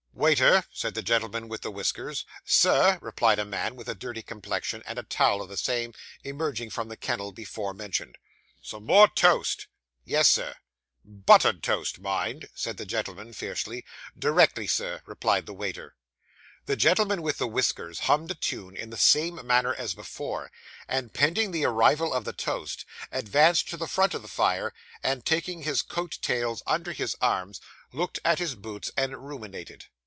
'Waiter,' said the gentleman with the whiskers. 'Sir?' replied a man with a dirty complexion, and a towel of the same, emerging from the kennel before mentioned. 'Some more toast.' 'Yes, sir.' 'Buttered toast, mind,' said the gentleman fiercely. 'Directly, sir,' replied the waiter. The gentleman with the whiskers hummed a tune in the same manner as before, and pending the arrival of the toast, advanced to the front of the fire, and, taking his coat tails under his arms, looked at his boots and ruminated.